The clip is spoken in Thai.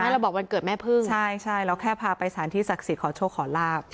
เราบอกวันเกิดแม่พึ่งใช่เราแค่พาไปสารที่ศักดิ์สิทธิ์ขอโชคขอลาบ